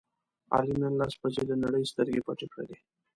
علي نن لس بجې له نړۍ سترګې پټې کړلې.